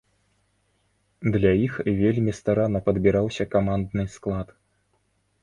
Для іх вельмі старанна падбіраўся камандны склад.